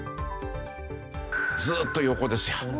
ずっと横ですよ。